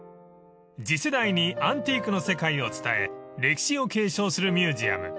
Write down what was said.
［次世代にアンティークの世界を伝え歴史を継承するミュージアム］